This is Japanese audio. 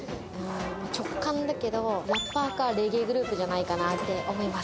直感だけれども、ラッパーか、レゲエグループじゃないかなって思います。